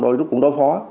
đôi lúc cũng đói khó